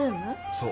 そう。